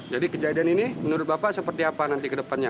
jadi kejadian ini menurut bapak seperti apa nanti ke depannya